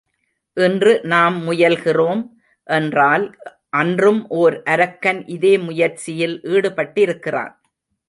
இன்று நாம் முயல்கிறோம் என்றால் அன்றும் ஓர் அரக்கன் இதே முயற்சியில் ஈடுபட்டிருக்கிறான்.